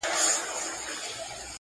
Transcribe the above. د مېږیانو کور له غمه نه خلاصېږي!!!!!